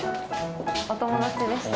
お友達でした。